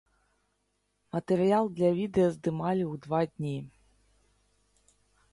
Матэрыял для відэа здымалі ў два дні.